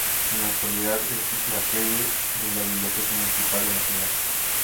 En la actualidad es la sede de la biblioteca municipal de la ciudad.